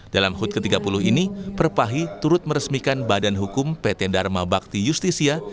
dalam hut ke tiga puluh ini perpahi turut meresmikan badan hukum pt dharma bakti justisia